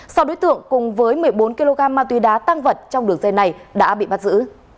sau đối tượng cùng với một mươi bốn kg ma túy đá tăng vật trong đường dây này đã bị bắt giữ